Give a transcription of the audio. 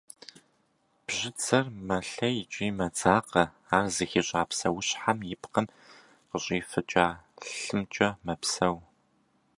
Бжьыдзэр мэлъей икӏи мэдзакъэ, ар зыхищӏа псэущхьэм и пкъым къыщӏифыкӏа лъымкӏэ мэпсэу.